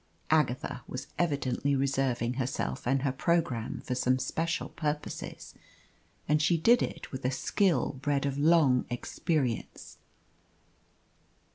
Agatha was evidently reserving herself and her programme for some special purposes, and she did it with a skill bred of long experience.